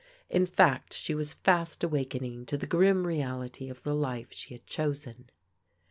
* In fact she was fast awakening to the grim reality of the life she had chosen.